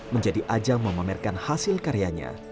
menjadi ajang memamerkan hasil karyanya